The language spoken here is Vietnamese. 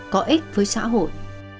có ích với xã hội